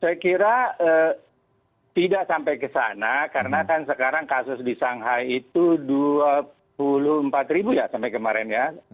saya kira tidak sampai ke sana karena kan sekarang kasus di shanghai itu dua puluh empat ribu ya sampai kemarin ya